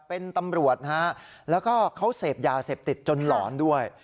เป็นตำรวจแล้วก็เขาเสียบยาเสียบติดจนหลอนด้วย